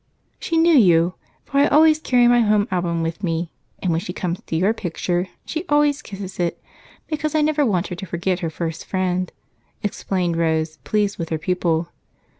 "She knew you, for I always carry my home album with me, and when she comes to your picture she always kisses it, because I never want her to forget her first friend," explained Rose, pleased with her pupil.